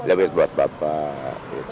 lebih buat bapak